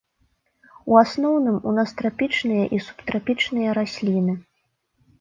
У асноўным, у нас трапічныя і субтрапічныя расліны.